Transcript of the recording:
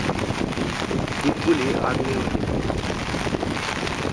দ্বীপগুলি আগ্নেয় দ্বীপ।